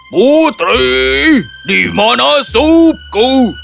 putri dimana supku